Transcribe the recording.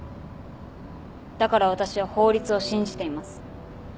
だから私は法律を信じています。